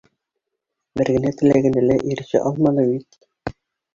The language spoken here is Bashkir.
Бер генә теләгенә лә ирешә алманы бит!